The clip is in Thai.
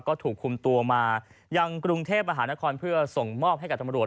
ก็ถูกคุมตัวมายังกรุงเทพมหานครเพื่อส่งมอบให้กับตำรวจ